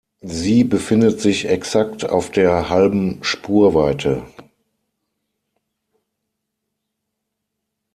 Sie befindet sich exakt auf der halben Spurweite.